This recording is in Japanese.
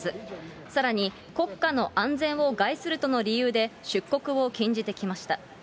さらに、国家の安全を害するとの理由で、出国を禁じてきました。